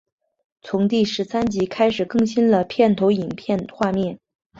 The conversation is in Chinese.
从第十三集开始更新了片头影片画面。